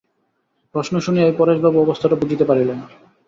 প্রশ্ন শুনিয়াই পরেশবাবু অবস্থাটা বুঝিতে পারিলেন।